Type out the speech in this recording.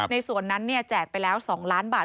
ในส่วนนั้นแจกไปแล้ว๒ล้านบาท